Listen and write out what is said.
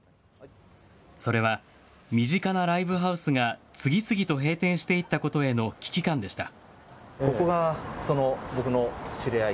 それは身近なライブハウスが次々と閉店していったことへの危機感でした。